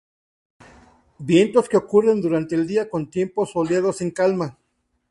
Vientos que ocurren durante el día, con tiempo soleado en calma.